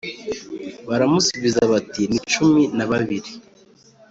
Baramusubiza bati ni cumi na bibiri